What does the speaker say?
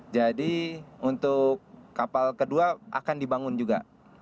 jadi untuk kapal kedua akan dibangun juga